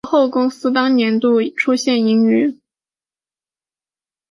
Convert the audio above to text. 伊罗生美国纽约曼哈顿西区人。